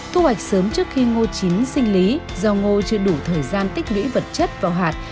thu hoạch sớm trước khi ngô chín sinh lý do ngô chưa đủ thời gian tích lũy vật chất vào hạt